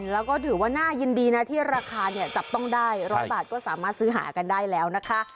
แล้วก็ถือว่าน่ายินดีนะที่ราคาเนี่ยจับต้องได้๑๐๐บาทก็สามารถซื้อหากันได้แล้วนะคะ